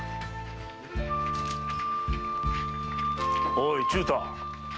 おい忠太。